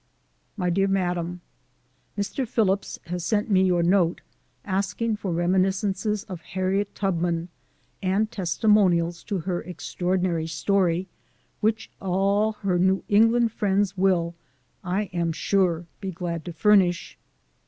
MY DEAR MADAME : Mr. Phillips has sent me your note, asking for reminiscences of Harriet Tub 54. SOME SCENES IN THE man, and testimonials to her extraordinary story, which all her New England friends will, I am sure, be glad to furnish.